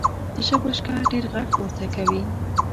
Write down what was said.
تشه بشکه ډېر غږ پورته کوي .